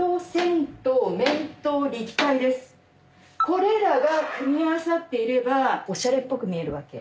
これらが組み合わさっていればオシャレっぽく見えるわけ。